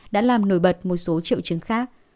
đã làm nổi bật một số triệu chứng khác